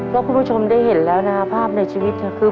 พวกคุณผู้ชมได้เห็นแล้วนะภาพในชีวิตน่ะคือ